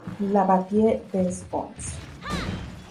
La Bâtie-des-Fonds